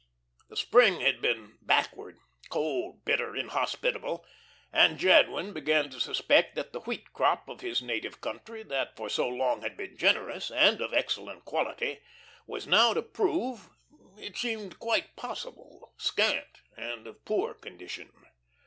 The spring had been backward, cold, bitter, inhospitable, and Jadwin began to suspect that the wheat crop of his native country, that for so long had been generous, and of excellent quality, was now to prove it seemed quite possible scant and of poor condition.